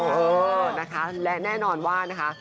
เออนะคะและแน่นอนว่านะคะ